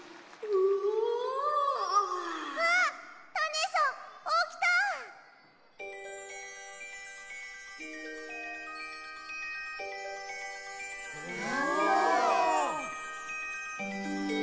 うわ！